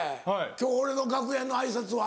今日俺の楽屋の挨拶は。